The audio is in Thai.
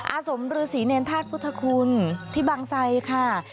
อาสมฤษีเนรธาตุพุทธคุณที่บางไซค่ะ